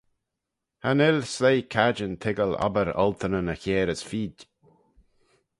Cha nel sleih cadjin toiggal obbyr olteynyn y chiare as feed.